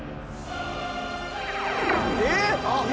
えっ！